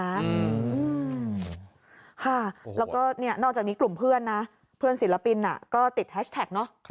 ค่ะแล้วก็เนี่ยนอกจากนี้กลุ่มเพื่อนนะเพื่อนศิลปินก็ติดแฮชแท็กเนอะ